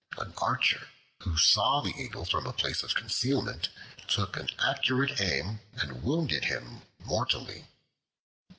An archer, who saw the Eagle from a place of concealment, took an accurate aim and wounded him mortally.